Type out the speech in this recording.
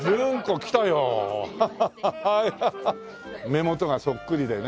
目元がそっくりでね。